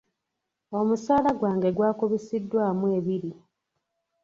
Omusaala gwange gukubisiddwamu ebiri.